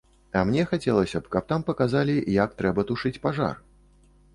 А мне хацелася б, каб там паказалі, як трэба тушыць пажар.